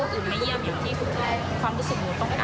แต่นี่มันคนมีหัวใจมีความรู้สึกแล้วภูมิที่ลูกหนูได้รับ